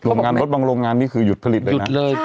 บางโรงงานนี่คือหยุดผลิตเลยนะ